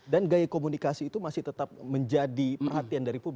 dan gaya komunikasi itu masih tetap menjadi perhatian dari publik